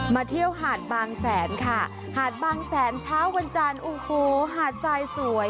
เที่ยวหาดบางแสนค่ะหาดบางแสนเช้าวันจันทร์โอ้โหหาดทรายสวย